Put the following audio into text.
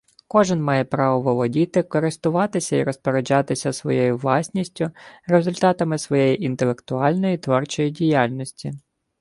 Кожен має право володіти, користуватися і розпоряджатися своєю власністю, результатами своєї інтелектуальної, творчої діяльності